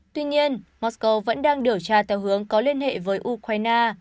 tuy nhiên moscow vẫn đang điều tra theo hướng có liên hệ với ukraina